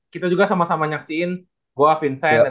hitungan smp nya dua tahun eh sma nya dua tahun